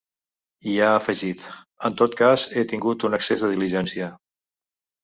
I ha afegit: ‘en tot cas he tingut un excés de diligència’.